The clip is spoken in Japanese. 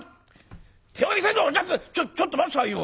「ちょっちょっと待って下さいよ！